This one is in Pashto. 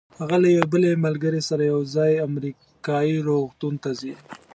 هغه له یوې بلې ملګرې سره یو ځای امریکایي روغتون ته ځي.